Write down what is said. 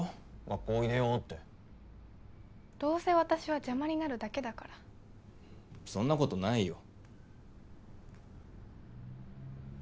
学校おいでよってどうせ私は邪魔になるだけだからそんなことないよ